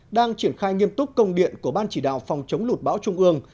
đang triển khai nghiêm túc công điện của ban chỉ đạo phòng chống lụt bão trung ương